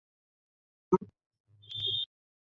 এখন সে জানলেও বা কী হবে?